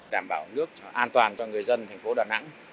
đảm bảo nước an toàn cho người dân tp đà nẵng